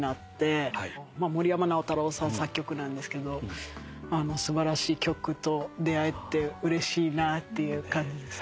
森山直太朗さん作曲なんですけど素晴らしい曲と出合えてうれしいなっていう感じです。